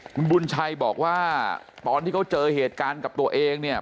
คุณบุญชัยบอกว่าตอนที่เขาเจอเหตุการณ์กับตัวเองเนี่ย